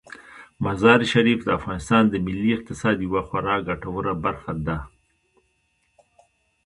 مزارشریف د افغانستان د ملي اقتصاد یوه خورا ګټوره برخه ده.